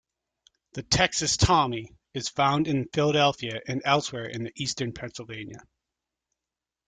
The Texas Tommy is found in Philadelphia and elsewhere in Eastern Pennsylvania.